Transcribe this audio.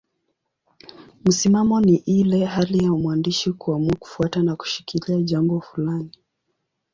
Msimamo ni ile hali ya mwandishi kuamua kufuata na kushikilia jambo fulani.